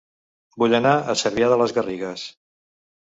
Vull anar a Cervià de les Garrigues